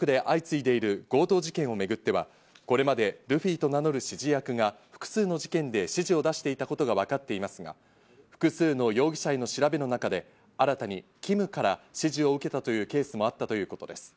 全国で相次いでいる強盗事件をめぐっては、これまでルフィと名乗る指示役が複数の事件で指示を出していたことがわかっていますが、複数の容疑者への調べの中で新たにＫＩＭから指示を受けたというケースもあったということです。